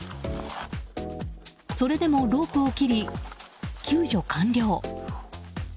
それでもロープを切り救助完了。